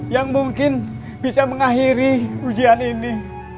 yang mungkin bisa mengakhiri ujian ini